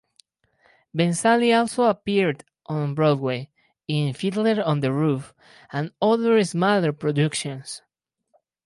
Benzali also appeared on Broadway in "Fiddler on the Roof" and other smaller productions.